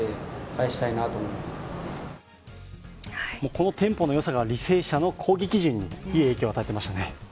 このテンポのよさが履正社の攻撃陣にいい影響を与えていましたね。